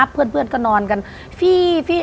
เพื่อนก็นอนกันฟี่